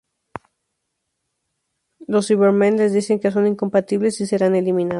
Los Cybermen les dicen que son incompatibles y serán eliminados...